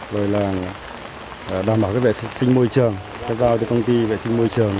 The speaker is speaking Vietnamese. rồi là đảm bảo các vệ sinh môi trường sẽ giao cho công ty vệ sinh môi trường